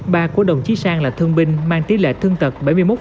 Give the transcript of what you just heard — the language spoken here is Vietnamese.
ba của đồng chí sang là thương binh mang tỷ lệ thương tật bảy mươi một